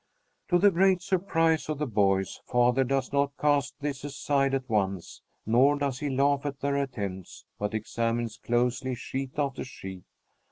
To the great surprise of the boys, father does not cast this aside at once, nor does he laugh at their attempts, but examines closely sheet after sheet.